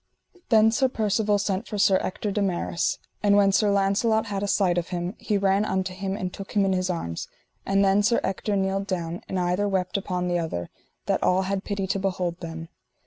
Then Sir Percivale sent for Sir Ector de Maris, and when Sir Launcelot had a sight of him, he ran unto him and took him in his arms; and then Sir Ector kneeled down, and either wept upon other, that all had pity to behold them.